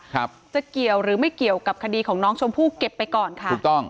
ครับจะเกี่ยวหรือไม่เกี่ยวกับคดีของน้องชมพู่เก็บไปก่อนค่ะถูกต้อง